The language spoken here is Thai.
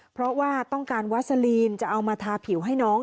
เพราะว่าต้องการวัสลีนจะเอามาทาผิวให้น้อง